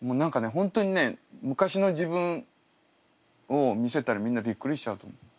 本当にね昔の自分を見せたらみんなびっくりしちゃうと思う。